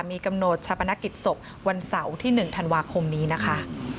มีกำหนดชาปนกิจศพวันเสาร์ที่๑ธันวาคมนี้นะคะ